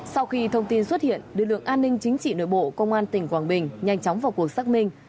sau khi thông tin xuất hiện lực lượng an ninh chính trị nội bộ công an tỉnh quảng bình nhanh chóng vào cuộc xác minh